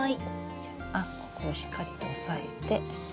じゃあここをしっかりと押さえて。